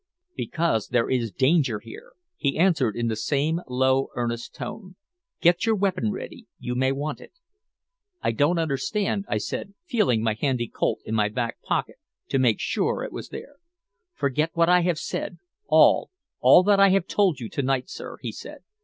"Because there is danger here," he answered in the same low earnest tone. "Get your weapon ready. You may want it." "I don't understand," I said, feeling my handy Colt in my back pocket to make sure it was there. "Forget what I have said all all that I have told you to night, sir," he said.